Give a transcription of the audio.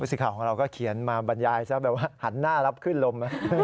วิศิภาพของเราก็เขียนมาบรรยายแบบว่าหันหน้ารับคลื่นลม